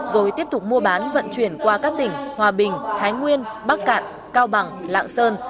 rồi tiếp tục mua bán vận chuyển qua các tỉnh hòa bình thái nguyên bắc cạn cao bằng lạng sơn